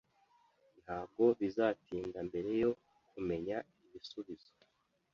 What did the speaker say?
Ntabwo bizatinda mbere yo kumenya ibisubizo